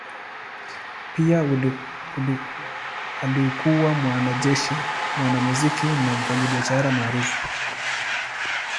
Pia alikuwa mwanajeshi, mwanamuziki na mfanyabiashara maarufu.